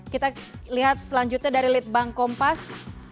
kita lihat selanjutnya dari litbang kompas